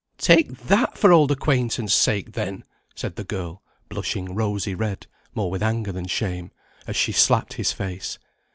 "Take that for old acquaintance sake, then," said the girl, blushing rosy red, more with anger than shame, as she slapped his face.